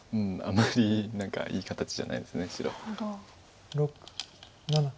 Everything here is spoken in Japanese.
あまり何かいい形じゃないです白。